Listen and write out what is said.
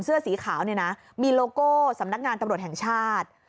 เสื้อสีขาวเนี่ยนะมีโลโก้สำนักงานตำรวจแห่งชาติ